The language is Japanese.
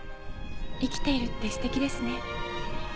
生きているって素敵ですね。